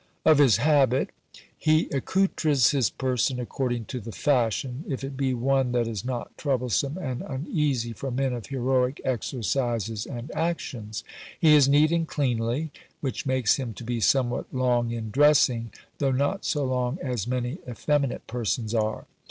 "Of his Habit. "He accoutres his person according to the fashion, if it be one that is not troublesome and uneasy for men of heroic exercises and actions. He is neat and cleanly; which makes him to be somewhat long in dressing, though not so long as many effeminate persons are.